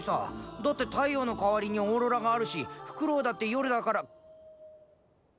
だって太陽の代わりにオーロラがあるしフクロウだって夜だから。